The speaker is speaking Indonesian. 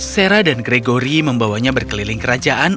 sera dan gregory membawanya berkeliling kerajaan